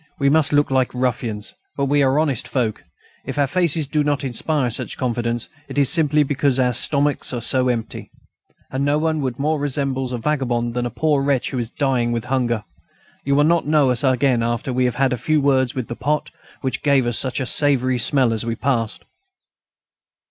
We must look like ruffians, but we are honest folk. If our faces do not inspire much confidence, it is simply because our stomachs are so empty. And no one more resembles a vagabond than a poor wretch who is dying with hunger. You will not know us again after we have had a few words with the pot which gave out such a savoury smell as we passed."